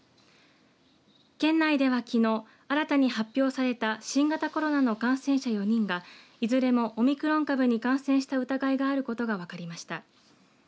県内ではきのう新たに発表された新型コロナの感染者４人がいずれもオミクロン株に感染した疑いがあることが分かりました。